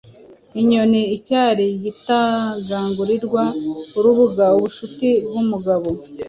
Inyoni icyari, igitagangurirwa urubuga, ubucuti bwumugabo.